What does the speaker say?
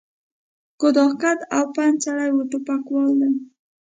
کوتاه قد او پنډ سړی و، ټوپکوالو دی.